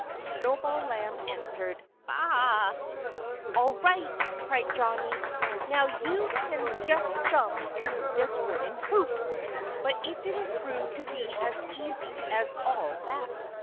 Snowball Lamb answered, "Baa a a!" "All right!" cried Johnnie. "Now you just jump through this wooden hoop!" But it didn't prove to be as easy as all that.